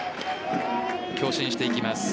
強振していきます。